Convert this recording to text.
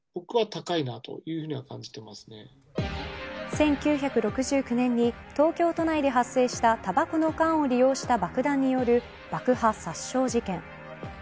１９６９年に東京都内で発生したたばこの缶を利用した爆弾による爆破殺傷事件。